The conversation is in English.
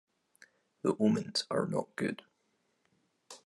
The omens are not good.